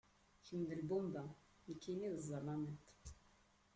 Kemm d lbumba, nekkini d zzalimiḍ.